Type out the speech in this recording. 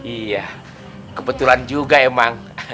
iya kebetulan juga emang